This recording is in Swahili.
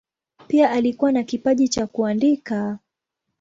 Pia alikuwa na kipaji cha kuandika.